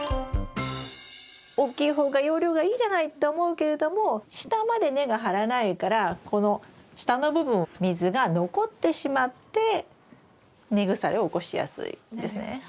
大きい方が容量がいいじゃないって思うけれども下まで根が張らないからこの下の部分水が残ってしまって根腐れを起こしやすいんですね。